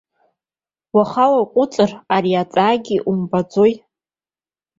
Уаха уааҟәыҵыр, ари аҵаагьы умбаӡои!